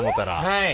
はい。